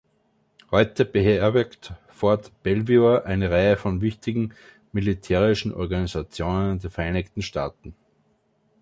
Heute beherbergt Fort Belvior eine Reihe von wichtigen militärischen Organisationen der Vereinigten Staaten.